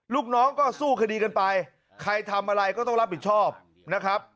ลูกน้องก็สู้คดีกันไปใครทำอะไรก็ต้องรับผิดชอบนะครับ